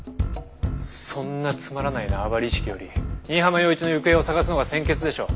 そんなつまらない縄張り意識より新浜陽一の行方を捜すのが先決でしょう。